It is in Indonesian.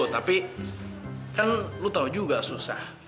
tapi kan lu tahu juga susah